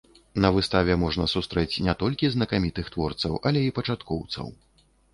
На выставе можна сустрэць не толькі знакамітых творцаў, але і пачаткоўцаў.